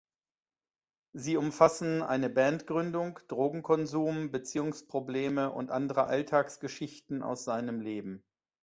Sie umfassen eine Bandgründung, Drogenkonsum, Beziehungsprobleme und andere Alltagsgeschichten aus seinem Leben.